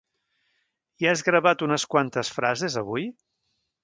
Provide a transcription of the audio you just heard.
Ja has gravat unes quantes frases, avui?